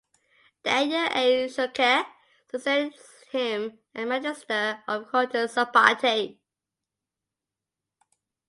Daniel A. Schulke succeeded him as Magister of Cultus Sabbati.